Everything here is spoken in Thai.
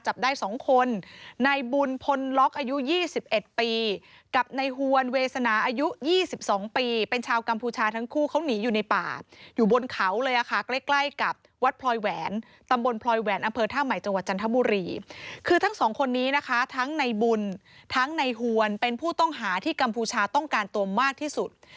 จับได้๒คนในบุญพลล็อกอายุ๒๑ปีกับในหวนเวสนาอายุ๒๒ปีเป็นชาวกัมพูชาทั้งคู่เขาหนีอยู่ในป่าอยู่บนเขาเลยค่ะใกล้ใกล้กับวัดพลอยแหวนตำบลพลอยแหวนอำเภอท่าใหม่จังหวัดจันทบุรีคือทั้งสองคนนี้นะคะทั้งในบุญทั้งในหวนเป็นผู้ต้องหาที่กัมพูชาต้องการตัวมากที่สุด